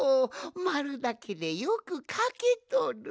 まるだけでよくかけとる！